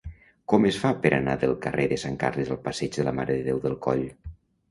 Com es fa per anar del carrer de Sant Carles al passeig de la Mare de Déu del Coll?